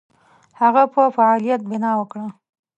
هغه په فعالیت بناء وکړه.